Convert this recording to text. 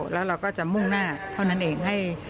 แล้วเราก็จะมุ่งหน้าเท่านั้นเอง